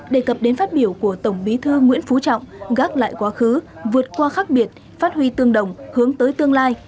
đề cập đến phát biểu của tổng bí thư nguyễn phú trọng gác lại quá khứ vượt qua khác biệt phát huy tương đồng hướng tới tương lai